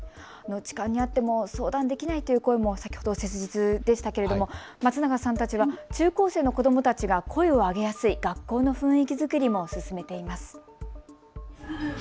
痴漢に遭っても相談できないという声も切実でしたけれども松永さんたちは中高生の子どもたちが声を上げやすい学校の雰囲気作りも進めています。